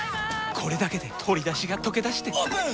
これだけで鶏だしがとけだしてオープン！